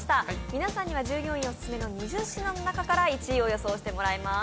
皆さんには従業員オススメの２０品の中から１位を予想してもらいます。